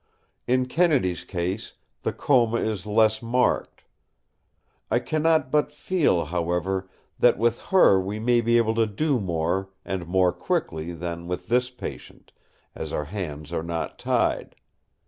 In Kennedy's case the coma is less marked. I cannot but feel, however, that with her we may be able to do more and more quickly than with this patient, as our hands are not tied.